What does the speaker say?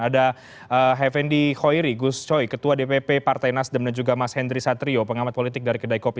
ada effendi khoiri gus coy ketua dpp partai nasdem dan juga mas henry satrio pengamat politik dari kedai kopi